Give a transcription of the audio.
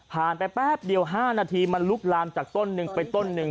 ไปแป๊บเดียว๕นาทีมันลุกลามจากต้นหนึ่งไปต้นหนึ่ง